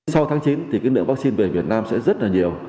sau tháng chín thì cái lượng vaccine về việt nam sẽ rất là nhiều